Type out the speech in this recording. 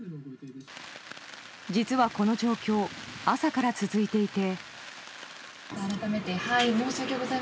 実はこの状況朝から続いていて。